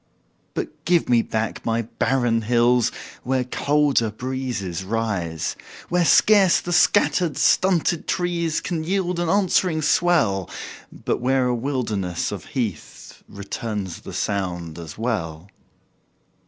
But give me back my barren hills Where colder breezes rise; Where scarce the scattered, stunted trees Can yield an answering swell, But where a wilderness of heath Returns the sound as well.